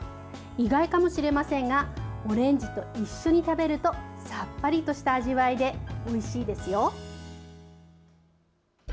意外かもしれませんがオレンジと一緒に食べるとさっぱりとした味わいでおいしいですよ。